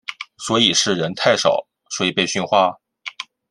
所以是人太少所以被训话？